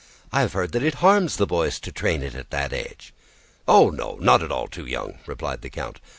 I have heard that it harms the voice to train it at that age." "Oh no, not at all too young!" replied the count.